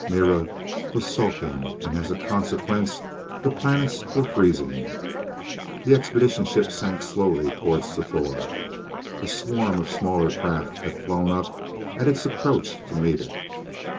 Mira was sulking, and as a consequence the planets were freezing. The expedition ship sank slowly toward Sthor. A swarm of smaller craft had flown up at its approach to meet it.